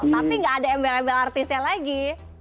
tapi nggak ada embel embel artisnya lagi